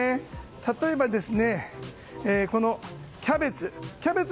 例えば、キャベツ。